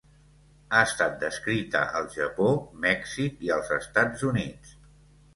Ha estat descrita al Japó, Mèxic i als Estats Units.